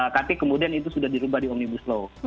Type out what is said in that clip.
tapi kemudian itu sudah dirubah di omnibus law